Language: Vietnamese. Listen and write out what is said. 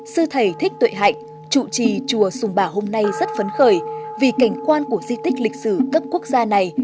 sư thầy thích tuệ hạnh chủ trì chùa sùng bà hôm nay rất phấn khởi vì cảnh quan của di tích lịch sử cấp quốc gia này